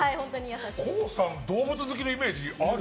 ＫＯＯさん動物好きのイメージある？